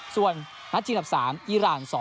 ส่วนนัทชีนับ๓อิร่าน๒